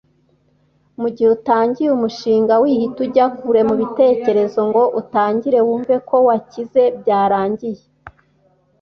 Mu gihe utangiye umushinga wihita ujya kure mu bitekerezo ngo utangire wumve ko wakize byarangiye